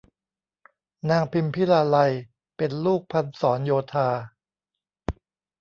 นางพิมพิลาไลยเป็นลูกพันศรโยธา